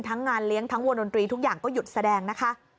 งานเลี้ยงทั้งวงดนตรีทุกอย่างก็หยุดแสดงนะคะ